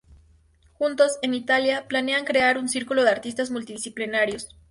Juntos, en Italia, planean crear un círculo de artistas multidisciplinarios.